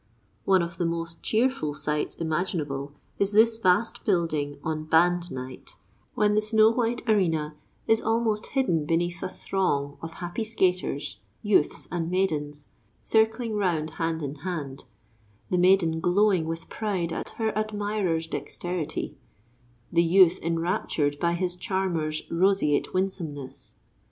One of the most cheerful sights imaginable is this vast building on band night, when the snow white arena is almost hidden beneath a throng of happy skaters, youths and maidens, circling round hand in hand—the maiden glowing with pride at her admirer's dexterity, the youth enraptured by his charmer's roseate winsomeness.